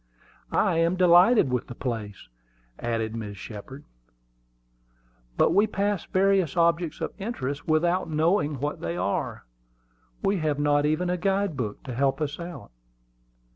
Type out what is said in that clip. "I am delighted with the place," added Mrs. Shepard. "But we pass various objects of interest without knowing what they are. We have not even a guide book to help us out."